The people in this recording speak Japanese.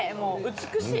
美しい。